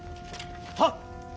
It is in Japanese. はっ！